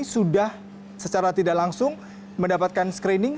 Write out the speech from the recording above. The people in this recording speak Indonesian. sudah secara tidak langsung mendapatkan screening